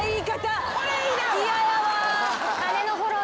嫌やわ。